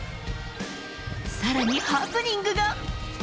さらにハプニングが。